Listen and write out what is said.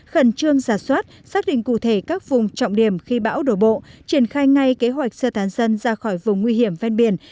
khẩn trương giả soát xác định cụ thể các vùng trọng điểm khi bão đổ bộ triển khai ngay kế hoạch sơ tán dân ra khỏi vùng nguy hiểm ven biển